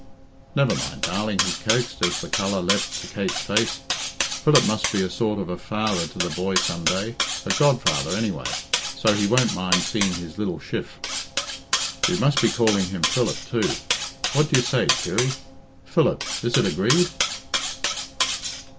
"Never mind, darling," he coaxed, as the colour leapt to Kate's face. "Philip must be a sort of a father to the boy some day a godfather, anyway so he won't mind seeing his lil shiff. We must be calling him Philip, too. What do you say, Kirry Philip, is it agreed?"